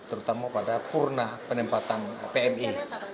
terutama pada purna penempatan pmi